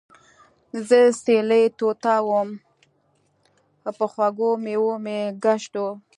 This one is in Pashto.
زۀ سېلي طوطا ووم پۀ خوږو مېوو مې ګشت وو